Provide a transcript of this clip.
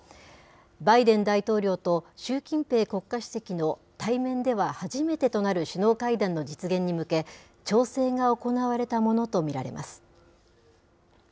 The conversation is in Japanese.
バイデン大統領と習近平国家主席の対面では初めてとなる首脳会談の実現に向け、調整が行われたものと見られます。